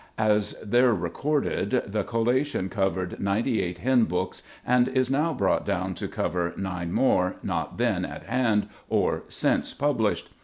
As there recorded, the collation covered ninety eight hymn books, and is now brought down to cover nine more not then at hand or since published.